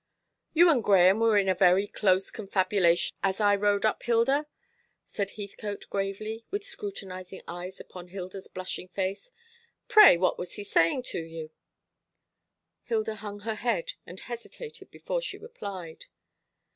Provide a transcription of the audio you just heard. "You and Grahame were in very close confabulation as I rode up, Hilda," said Heathcote gravely, with scrutinising eyes upon Hilda's blushing face. "Pray what was he saying to you?" Hilda hung her head, and hesitated before she replied.